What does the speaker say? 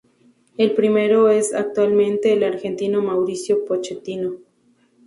El primero es actualmente el argentino Mauricio Pochettino.